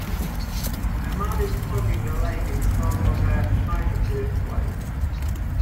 A man is hugging a lady in front of a Heineke display.